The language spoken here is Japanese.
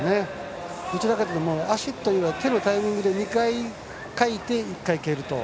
どちらかというと手のタイミングで足を２回かいて１回蹴ると。